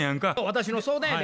私の相談やで。